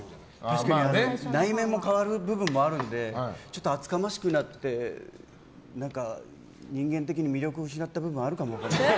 確かに内面も変わる部分のあるのでちょっと厚かましくなって人間的に魅力を失った部分があるかもしれない。